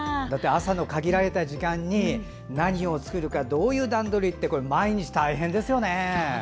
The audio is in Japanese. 朝の限られた時間に何を作るかどういう段取りって毎日大変ですよね。